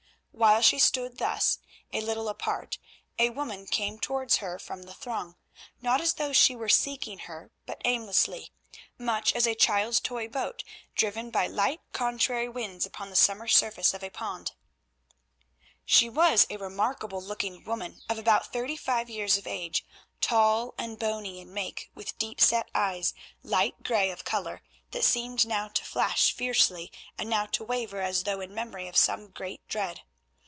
While she stood thus a little apart, a woman came towards her from the throng, not as though she were seeking her, but aimlessly, much as a child's toy boat is driven by light, contrary winds upon the summer surface of a pond. She was a remarkable looking woman of about thirty five years of age, tall and bony in make, with deep set eyes, light grey of colour, that seemed now to flash fiercely and now to waver, as though in memory of some great dread.